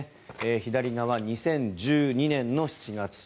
左側、２０１２年の７月。